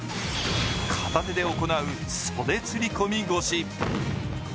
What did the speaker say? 片手で行う袖釣り込み腰。